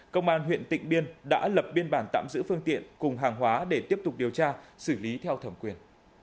công an huyện tịnh biên đã lập biên bản tạm giữ phương tiện cùng hàng hóa để tiếp tục điều tra xử lý theo thẩm quyền